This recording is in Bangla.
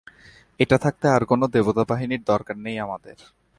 এটা থাকতে আর কোনো দেবতাবাহিনীর দরকার নেই আমাদের।